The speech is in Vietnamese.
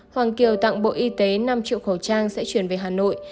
hoàng kiều tặng bộ y tế năm triệu khẩu trang sẽ chuyển về hà nội